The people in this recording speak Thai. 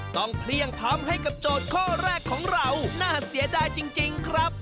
เพลี่ยงทำให้กับโจทย์ข้อแรกของเราน่าเสียดายจริงครับ